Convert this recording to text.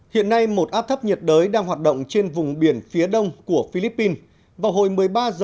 hiện nay một áp thấp nhiệt đới đang hoạt động trên vùng biển phía đông của philippines